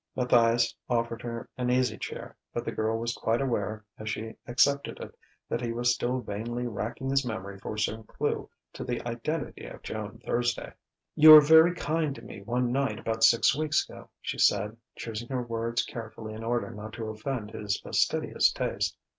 Matthias offered her an easy chair, but the girl was quite aware, as she accepted it, that he was still vainly racking his memory for some clue to the identity of Joan Thursday. "You were very kind to me one night about six weeks ago," she said, choosing her words carefully in order not to offend his fastidious taste.